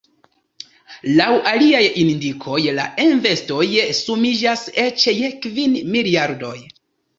Laŭ aliaj indikoj la investoj sumiĝas eĉ je kvin miliardoj.